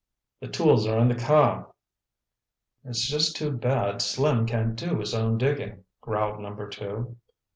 The tools are in the car." "It's just too bad Slim can't do his own diggin'," growled Number Two.